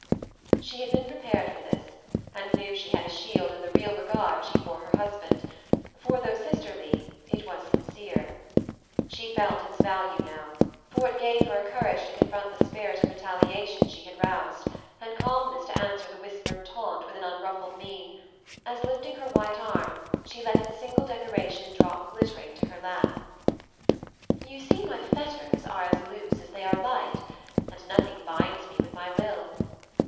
She had been prepared for this, and knew she had a shield in the real regard she bore her husband, for though sisterly, it was sincere. She felt its value now, for it gave her courage to confront the spirit of retaliation she had roused, and calmness to answer the whispered taunt with an unruffled mien, as lifting her white arm she let its single decoration drop glittering to her lap. "You see my 'fetters' are as loose as they are light, and nothing binds me but my will.